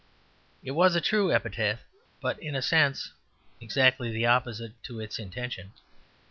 It was a true epitaph, but in a sense exactly opposite to its intention.